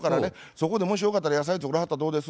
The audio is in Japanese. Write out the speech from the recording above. そこでもしよかったら野菜作らはったらどうです？」